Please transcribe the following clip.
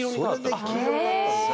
それで黄色になったんですね。